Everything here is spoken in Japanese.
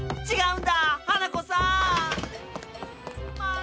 ん？